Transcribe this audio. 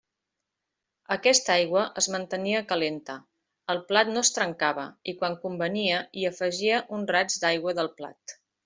Aquesta aigua es mantenia calenta, el plat no es trencava i quan convenia hi afegia un raig d'aigua del plat.